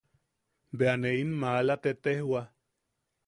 Bea ne in malam tetejwa.